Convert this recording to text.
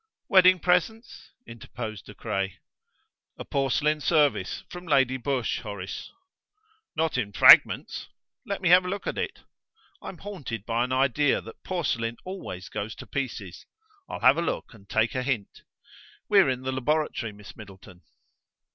"Wedding presents?" interposed De Craye. "A porcelain service from Lady Busshe, Horace." "Not in fragments? Let me have a look at it. I'm haunted by an idea that porcelain always goes to pieces. I'll have a look and take a hint. We're in the laboratory, Miss Middleton."